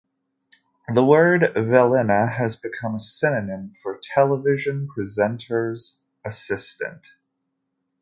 The word "velina" has become a synonym for television presenters's assistant.